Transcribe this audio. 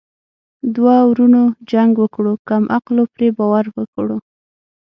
ـ دوه ورونو جنګ وکړو کم عقلو پري باور وکړو.